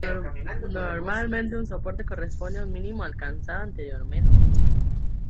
Normalmente, un soporte corresponde a un mínimo alcanzado anteriormente.